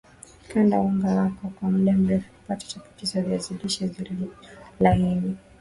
Kanda unga wako kwa mda mrefu kupata chapati za viazi lishe zilizo laini